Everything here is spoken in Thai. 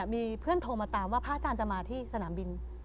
มีเพื่อนโทรมาตามว่าพระอาจารย์จะมาที่สนามบิน